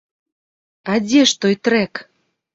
А дзе ж той трэк?